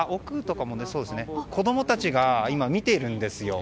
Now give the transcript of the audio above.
子供たちが見ているんですよ。